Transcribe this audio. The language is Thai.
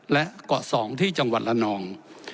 และเกาะ๒ที่จังหวัดละนอง